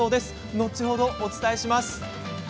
後ほどお伝えします。